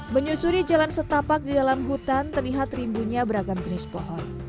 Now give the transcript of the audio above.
menyusuri jalan setapak di dalam hutan terlihat rimbunya beragam jenis pohon